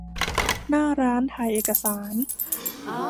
หน้าร้านถ่ายเอกสาร